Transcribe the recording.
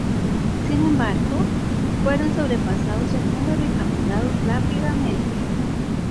Sin embargo, fueron sobrepasados en número y capturados rápidamente.